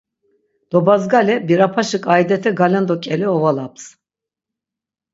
Dobadzgale, birapaşi ǩaidete galendo ǩele ovalaps.